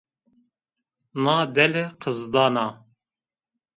Na dele qizdan a